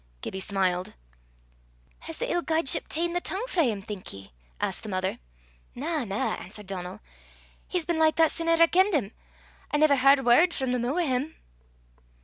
Gibbie smiled. "Has the ill guideship ta'en the tongue frae 'im, think ye?" asked the mother. "Na, na," answered Donal; "he's been like that sin ever I kenned him. I never h'ard word frae the moo' o' 'im."